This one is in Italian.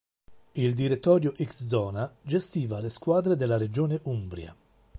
Il Direttorio X Zona gestiva le squadre della regione Umbria.